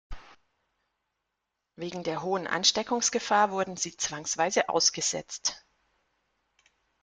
Wegen der hohen Ansteckungsgefahr wurden sie zwangsweise "ausgesetzt".